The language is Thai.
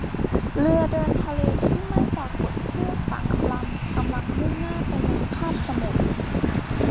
เรือเดินทะเลที่ไม่ปรากฏชื่อสามลำกำลังมุ่งหน้าไปยังคาบสมุทร